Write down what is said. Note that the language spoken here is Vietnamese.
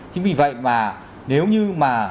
chính vì vậy mà nếu như mà